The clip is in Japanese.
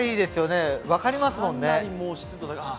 分かりますもんね。